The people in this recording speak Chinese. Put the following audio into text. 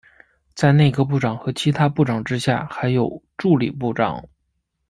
在内阁部长和其他部长之下还有助理部长。